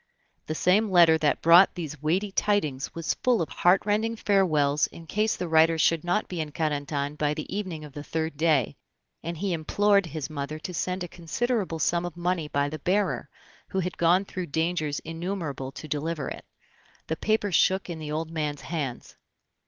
The same letter that brought these weighty tidings was full of heartrending farewells in case the writer should not be in Carentan by the evening of the third day, and he implored his mother to send a considerable sum of money by the bearer, who had gone through dangers innumerable to deliver it. The paper shook in the old man's hands.